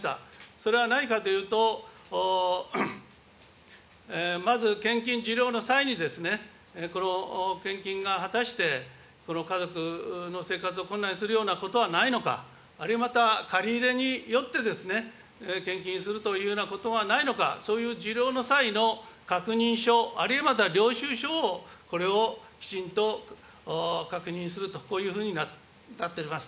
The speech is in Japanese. それは何かというと、まず献金受領の際に、この献金が果たして、この家族の生活を困難にするようなことはないのか、あるいはまた、借り入れによって献金するというようなことがないのか、そういう受領の際の確認書、あるいはまた領収書を、これをきちんと確認すると、こういうふうになっております。